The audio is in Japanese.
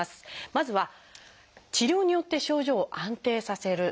まずは治療によって症状を安定させる。